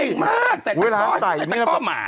มากใส่ตะก้อใส่ตะก้อหมา